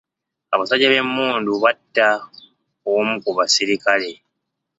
Abasajja b'emmundu batta omu ku basirikale.